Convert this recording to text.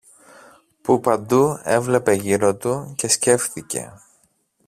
που παντού έβλεπε γύρω του και σκέφθηκε